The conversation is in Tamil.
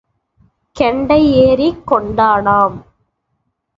கெண்டை ஏறிக் கொட்டானாம்.